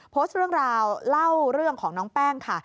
โพสต์เรื่องราวเล่าเรื่องของน้องแป้งค่ะ